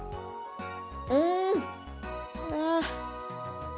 うん！